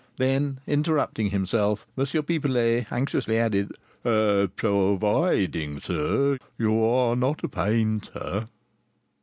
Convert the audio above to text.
Then, interrupting himself, M. Pipelet anxiously added, "Providing, sir, you are not a painter!"